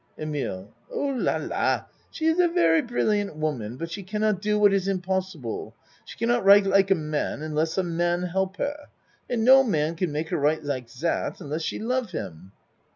EMILE Oh, la, la! She is a very brilliant wo man, but she cannot do what is impossible. She cannot write like a man unless a man help her and no man could make her write like zat unless she love him.